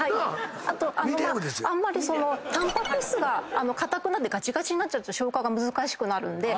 あとタンパク質が硬くなってがちがちになっちゃうと消化が難しくなるんで６０℃。